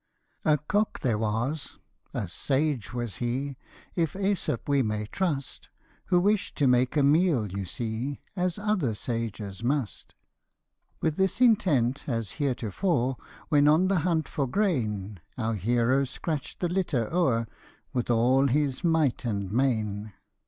A COCK there was : a sage was he (If JEsop we may trust), Who wish'd to make a meal, you see> As other sages must. Tlie Cock the Jewel. The Man fc the Lion. With this intent, as heretofore, When on the hunt for grain, Our hero scratch'd the litter o'er With all his might and main.